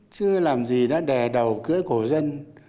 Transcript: chưa làm gì đã đè đầu cưới cổ dân